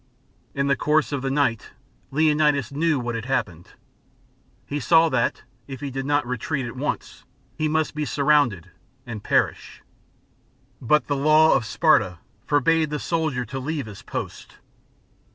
In the course of the night, Leonidas knew what had happened. He saw that, if he did not retreat at once, he must be surrounded and perish. But the B.C. 480.] DEATH OF LEONID AS. 97 law of Sparta forbade the soldier to leave his post.